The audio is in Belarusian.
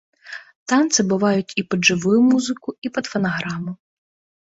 Танцы бываюць і пад жывую музыку, і пад фанаграму.